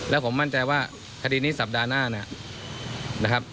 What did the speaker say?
แล้วผมมั่นใจว่าคดีนี้สัปดาห์หน้าเนี่ยนะครับ